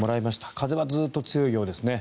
風はずっと強いようですね。